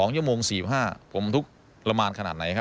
๒ชั่วโมง๔๕ผมทุกข์ระมานขนาดไหนครับ